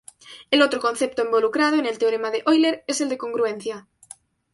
El otro concepto involucrado en el teorema de Euler es el de congruencia.